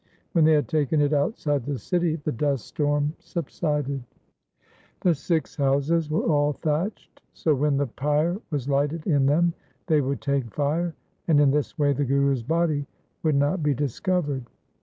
When they had taken it outside the city the dust storm subsided. The Sikhs' houses were all thatched, so when the pyre was lighted in them, they would take fire, and in this way the Guru's body would not be discovered.